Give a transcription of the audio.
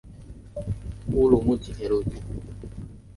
该站隶属乌鲁木齐铁路局。